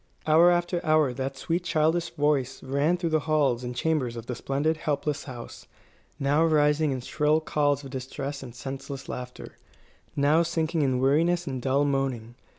Hour after hour that sweet childish voice rang through the halls and chambers of the splendid, helpless house, now rising in shrill calls of distress and senseless laughter, now sinking in weariness and dull moaning.